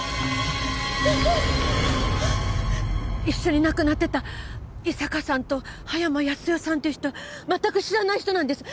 一緒に亡くなってた伊坂さんと葉山康代さんっていう人全く知らない人なんです。